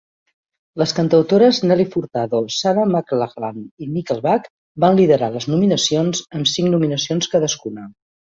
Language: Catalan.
Les cantautores Nelly Furtado, Sarah McLachlan i Nickelback van liderar les nominacions amb cinc nominacions cadascuna.